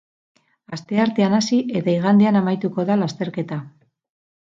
Asteartean hasi eta igandean amaituko da lasterketa.